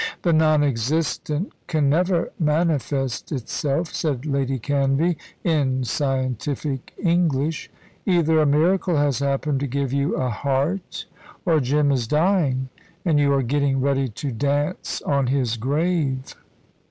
"The non existent can never manifest itself," said Lady Canvey, in scientific English. "Either a miracle has happened to give you a heart, or Jim is dying, and you are getting ready to dance on his grave."